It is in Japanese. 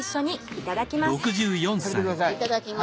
いただきます。